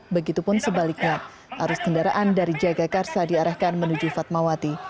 begitupun sebaliknya arus kendaraan dari jagakarsa diarahkan menuju fatmawati